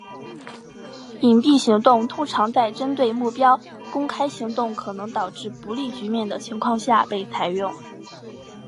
隐蔽行动通常在针对目标公开行动可能导致不利局面的情况下被采用。